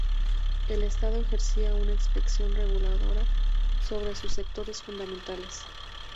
El Estado ejercía una inspección reguladora sobre sus sectores fundamentales.